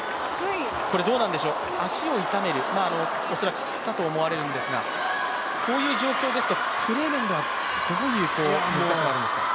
足を痛める、恐らくつったと思われるんですが、こういう状況ですと、プレー面ではどういう問題があるんですか。